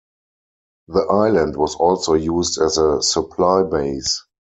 The island was also used as a supply base.